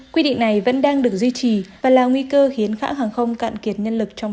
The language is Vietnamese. quy định này vẫn đang được duy trì và là nguy cơ khiến hãng hàng không cạn kiệt nhân lực trong